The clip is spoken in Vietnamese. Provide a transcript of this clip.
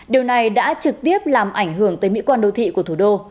điều này đã trực tiếp làm ảnh hưởng tới mỹ quan đô thị của thủ đô